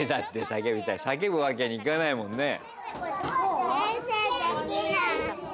叫ぶわけにいかないもんね。